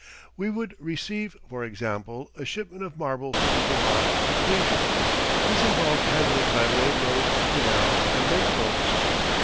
We would receive, for example, a shipment of marble from Vermont to Cleveland. This involved handling by railroad, canal, and lake boats.